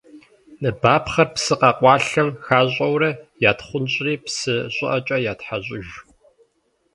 Ныбапхъэр псы къэкъуалъэм хащӏэурэ ятхъунщӏри псы щӏыӏэкӏэ ятхьэщӏыж.